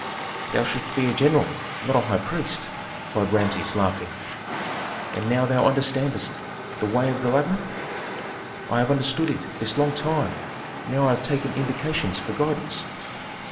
"Thou shouldst be a general, not a high priest!" cried Rameses, laughing. "And now thou understandest the way of the labyrinth?" "I have understood it this long time, now I have taken indications for guidance."